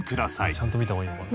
ちゃんと見た方がいいのかな。